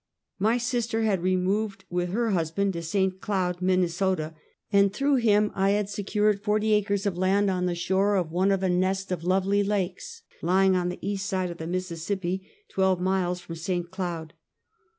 My sister had removed with her husband to St. Cloud, Minnesota, and through him I had secured forty acres of land on the shore of one of a nest of lovely lakes, lying on the east side of the Mississippi, twelve miles from St. Cloud.